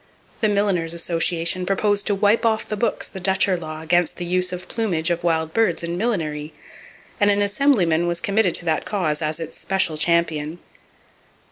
The Milliners' Association proposed to wipe off the books the Dutcher law against the use of the plumage of wild birds in millinery, and an assemblyman was committed to that cause as its special champion.